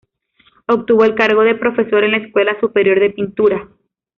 Obtuvo el cargo de profesor en la Escuela Superior de Pintura.